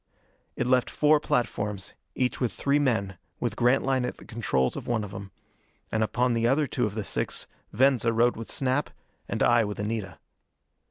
It left four platforms, each with three men, with Grantline at the controls of one of them. And upon the other two of the six Venza rode with Snap, and I with Anita.